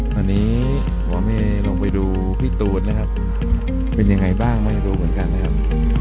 ตอนนี้หมอเมย์ลงไปดูพี่ตูนนะครับเป็นยังไงบ้างไม่รู้เหมือนกันนะครับ